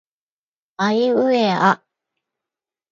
あいうえあ